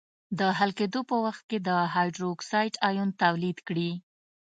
د حل کېدو په وخت د هایدروکساید آیون تولید کړي.